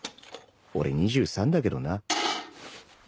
俺２３だけどな